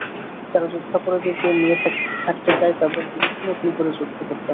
যারা যুদ্ধাপরাধীদের নিয়ে থাকতে চায়, তাদের বিরুদ্ধে নতুন করে যুদ্ধ করতে হবে।